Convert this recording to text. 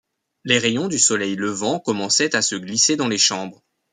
Les rayons du soleil levant commençaient à se glisser dans les chambres.